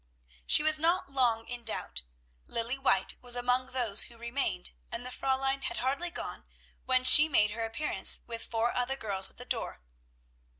She was not long in doubt. Lilly White was among those who remained, and the Fräulein had hardly gone when she made her appearance with four other girls at her door.